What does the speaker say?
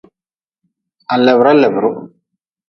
Ha lebra lebruh.